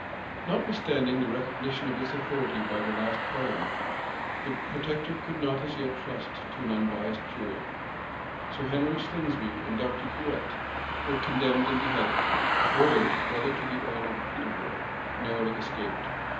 Notwithstanding the recognition of his authority by the last parliament, the protector could not as yet trust to an unbiased jury. Sir Henry Slingsby and Dr. Huet were condemned and beheaded. Mordaunt, brother to the earl of Peterborough, narrowly escaped.